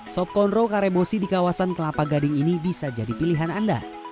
sop konro karebosi di kawasan kelapa gading ini bisa jadi pilihan anda